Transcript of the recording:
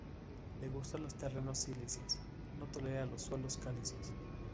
Le gustan los terrenos silíceos, no tolera los suelos calizos.